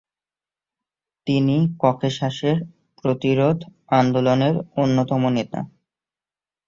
তিনি ককেশাসের প্রতিরোধ আন্দোলনের অন্যতম নেতা।